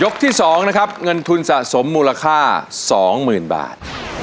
ที่๒นะครับเงินทุนสะสมมูลค่า๒๐๐๐บาท